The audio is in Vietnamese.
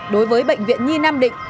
đối với bệnh viện nhi nam định